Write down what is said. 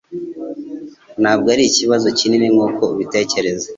Ntabwo ari ikibazo kinini nkuko ubitekereza